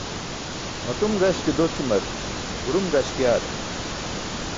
Matum gaśke docimar burum gaśk yaarar.